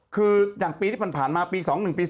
คืออย่างปีที่ผ่านมาปี๒๑ปี๔